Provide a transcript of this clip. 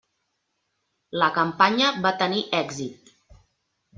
La campanya va tenir èxit.